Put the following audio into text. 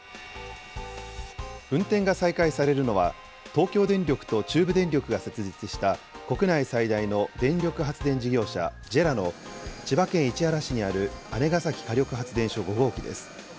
運転が再開されるのは、東京電力と中部電力が設立した国内最大の電力発電事業者、ＪＥＲＡの千葉県市原市にある姉崎火力発電所５号機です。